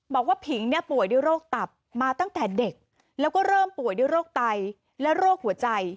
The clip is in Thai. ผิงเนี่ยป่วยด้วยโรคตับมาตั้งแต่เด็กแล้วก็เริ่มป่วยด้วยโรคไตและโรคหัวใจ